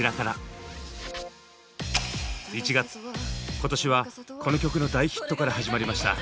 今年はこの曲の大ヒットから始まりました。